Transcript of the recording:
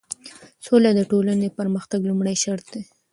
سوله د ټولنې د پرمختګ لومړی شرط دی.